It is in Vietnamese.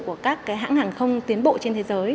của các hãng hàng không tiến bộ trên thế giới